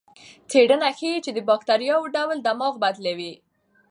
څېړنه ښيي چې د بکتریاوو ډول دماغ بدلوي.